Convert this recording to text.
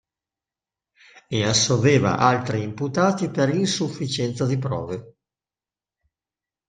E assolveva altri imputati per insufficienza di prove.